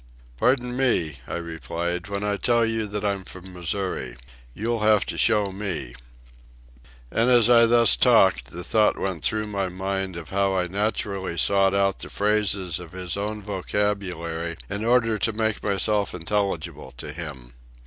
"Pardon me," I replied, "when I tell you that I'm from Missouri. You'll have to show me." And as I thus talked the thought went through my mind of how I naturally sought out the phrases of his own vocabulary in order to make myself intelligible to him.